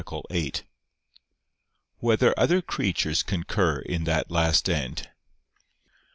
8] Whether Other Creatures Concur in That Last End?